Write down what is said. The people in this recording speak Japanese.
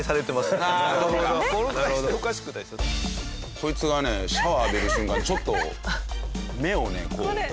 こいつがねシャワー浴びる瞬間にちょっと目をねこう。